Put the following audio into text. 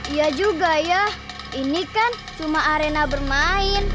iya juga ya ini kan cuma arena bermain